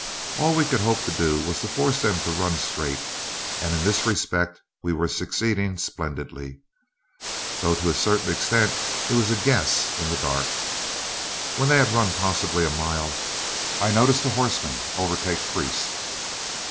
All we could hope to do was to force them to run straight, and in this respect we were succeeding splendidly, though to a certain extent it was a guess in the dark. When they had run possibly a mile, I noticed a horseman overtake Priest.